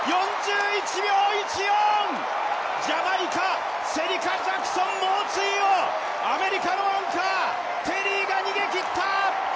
４１秒１４、ジャマイカ、シェリカ・ジャクソン猛追をアメリカのアンカー、テリーが逃げ切った。